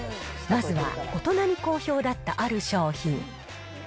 まずは大人に好評だったある商品。